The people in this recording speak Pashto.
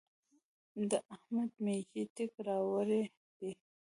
د احمد مېږي تېک راوړی دی.